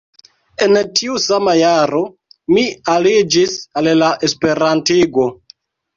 En tiu sama jaro, mi aliĝis al la esperantigo.